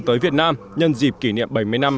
tới việt nam nhân dịp kỷ niệm bảy mươi năm